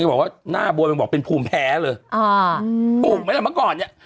บอกว่าหน้าบัวมันบอกเป็นภูมิแพ้เลยอ่าถูกไหมล่ะเมื่อก่อนเนี้ย